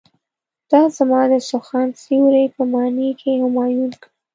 دا زما د سخن سيوری په معنی کې همایون کړه.